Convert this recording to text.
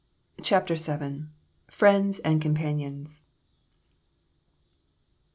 CHAPTER VII. FRIENDS AND COMPANIONS.